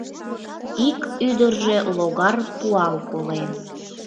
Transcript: Ик ӱдыржӧ логар пуал колен.